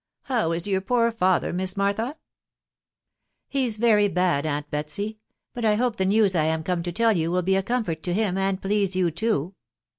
flow is your poor father. Miss Martha*?" cc He's rery bad, aunt Betsy ; but I hope the news I am come to tell you will be a comfort to him, and please you too.